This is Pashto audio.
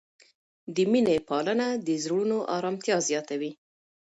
د مینې پالنه د زړونو آرامتیا زیاتوي.